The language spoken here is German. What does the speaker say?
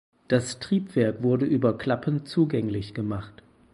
Das Triebwerk wurde über Klappen zugänglich gemacht.